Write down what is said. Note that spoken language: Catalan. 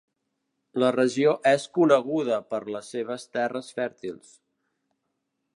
La regió és coneguda per les seves terres fèrtils.